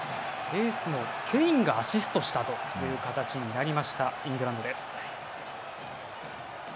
エースのケインがアシストしたという形になったイングランドです。